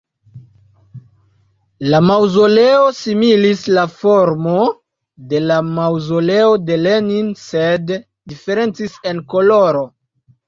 La maŭzoleo similis la formo de la Maŭzoleo de Lenin sed diferencis en koloro.